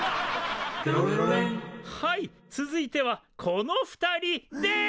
はい続いてはこの２人です。